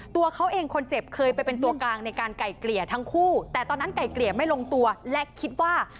ตัวเขาเองคนเจ็บเคยไปเป็นตัวกลางในการไก่เกลี่ยทั้งคู่แต่ตอนนั้นไก่เกลี่ยไม่ลงตัวและคิดว่า